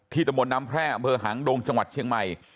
ตะมนต์น้ำแพร่อำเภอหางดงจังหวัดเชียงใหม่